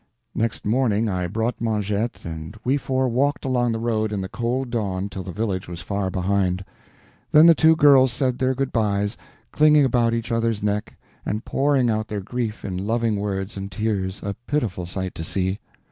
Next morning I brought Mengette, and we four walked along the road in the cold dawn till the village was far behind; then the two girls said their good bys, clinging about each other's neck, and pouring out their grief in loving words and tears, a pitiful sight to see.